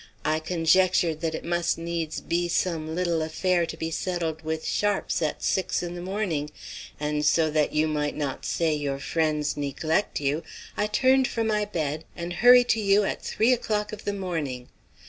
I conjectured that it must needs be some little affair to be settled with sharps at six in the morning; and so that you might not say your friends neglect you, I turn from my bed, and hurry to you at three o'clock of the morning.